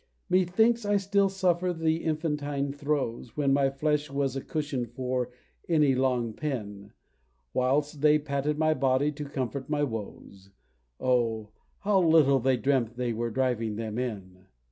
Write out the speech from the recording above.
Methinks I still suffer the infantine throes, When my flesh was a cushion for any long pin Whilst they patted my body to comfort my woes, Oh! how little they dreamt they were driving them in!